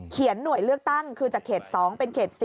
หน่วยเลือกตั้งคือจากเขต๒เป็นเขต๔